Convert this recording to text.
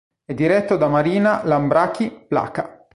È diretto da Marina Lambraki-Plaka.